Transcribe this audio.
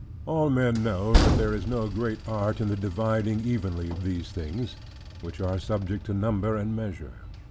All men know that there is no great art in the dividing evenly of these things, which are subject to number and measure.